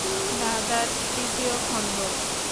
ধাঁধার তৃতীয় খণ্ড।